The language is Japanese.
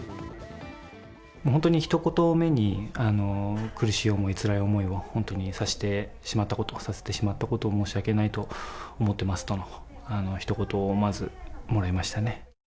本当にひと言目に、苦しい思い、つらい思いを本当にさせてしまったことを申し訳ないと思ってますとのひと言をまずもらいましたね。